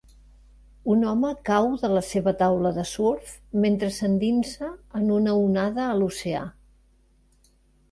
Un home cau de la seva taula de surf mentre s'endinsa en una onada a l'oceà.